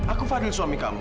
aku fadil suami kamu